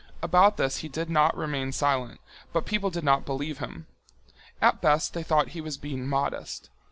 About this he did not remain silent, but people did not believe him. At best they thought he was being modest.